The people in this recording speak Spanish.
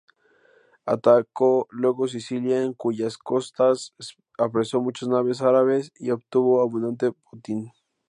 Atacó luego Sicilia, en cuyas costas apresó muchas naves árabes y obtuvo abundante botín.